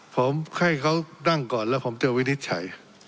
ผมให้เขานั่งก่อนแล้วผมจะวินิจฉัย